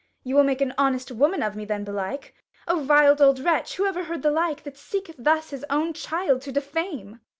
you will make An honest woman of me then, belike. 30 O vild old wretch ! who ever heard the like, That seeketh thus his own child to defame